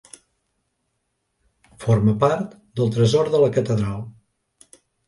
Forma part del Tresor de la Catedral.